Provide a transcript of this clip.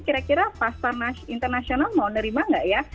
kira kira pasar internasional mau nerima nggak ya